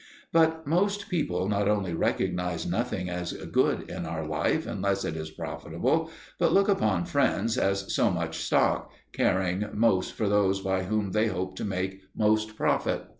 But most people not only recognize nothing as good in our life unless it is profitable, but look upon friends as so much stock, caring most for those by whom they hope to make most profit.